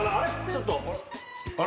ちょっと。